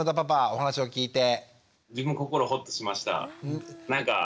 お話を聞いて。